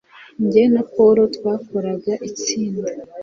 Jye na Paul twakoraga itsinda